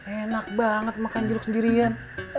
enak banget makan jeruk sendirian